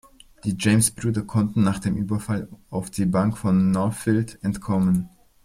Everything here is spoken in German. Die James-Brüder konnten nach dem Überfall auf die Bank von Northfield entkommen.